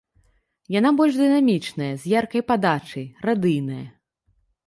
Яна больш дынамічная, з яркай падачай, радыйная.